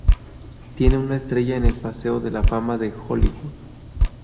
Tiene una estrella en el Paseo de la Fama de Hollywood.